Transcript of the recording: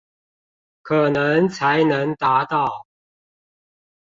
可能才能達到